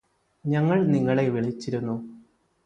ഞങ്ങള് നിങ്ങളെ വിളിച്ചിരുന്നു